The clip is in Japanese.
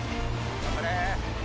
頑張れ！